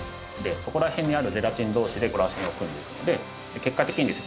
そこら辺にあるゼラチン同士でらせんを組んでいくので結果的にですね